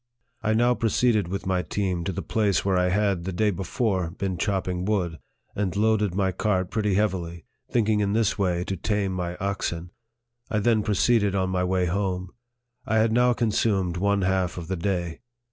I now proceeded with my team to the place where I had, the day before, been chopping wood, and loaded my cart pretty heavily, thinking in this way to tame my oxen. I then proceeded on my way home. I had now consumed one half of the day.